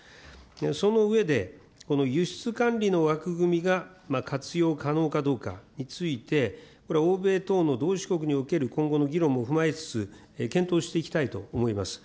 その上で、この輸出管理の枠組みが活用可能かどうかについて、これ、欧米等の同志国における今後の議論も踏まえつつ、検討していきたいと思います。